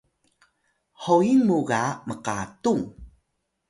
hoyil mu ga mqatung